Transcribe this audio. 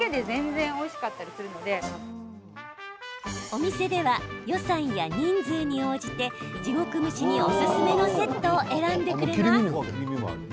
お店では予算や人数に応じて地獄蒸しにおすすめのセットを選んでくれます。